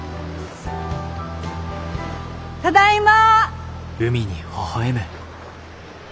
ただいま！